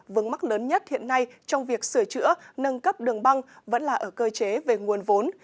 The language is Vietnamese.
vướng mắt lớn nhất hiện nay trong việc sửa chữa nâng cấp đường băng vẫn là ở cơ chế về nguồn vốn